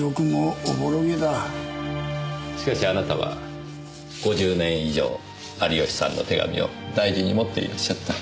しかしあなたは５０年以上有吉さんの手紙を大事に持っていらっしゃった。